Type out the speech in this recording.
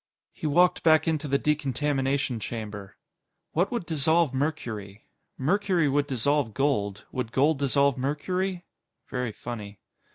He walked back into the decontamination chamber. What would dissolve mercury? Mercury would dissolve gold. Would gold dissolve mercury? Very funny.